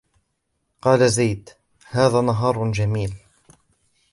قال زيد: هذا نهار جميل